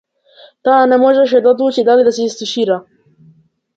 Таа не можеше да одлучи дали да се истушира.